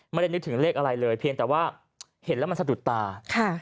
นึกถึงเลขอะไรเลยเพียงแต่ว่าเห็นแล้วมันสะดุดตาค่ะ